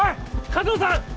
加藤さん！